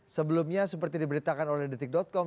sebelumnya seperti diberitakan oleh detik com